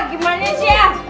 hah gimana sih ya